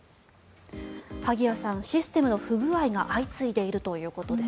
萩谷さん、システムの不具合が相次いでいるということです。